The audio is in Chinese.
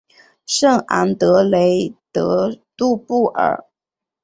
圣昂德雷德杜布尔。